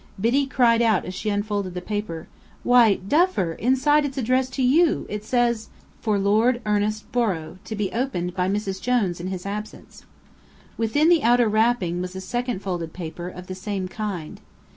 Biddy cried out as she unfolded the paper. "Why, Duffer, inside it's addressed to you! It says: "'For Lord Ernest Borrow. To be opened by Mrs. Jones in his absence.'" Within the outer wrapping was a second folded paper, of the same kind.